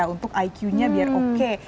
untuk iq nya biar oke